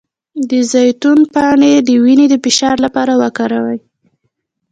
د زیتون پاڼې د وینې د فشار لپاره وکاروئ